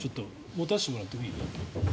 持たせてもらってもいい？